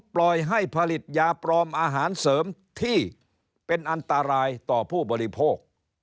ปล่อยให้ผลิตยาปลอมอาหารเสริมที่เป็นอันตรายต่อผู้บริโภค